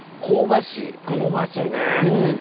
香ばしいね。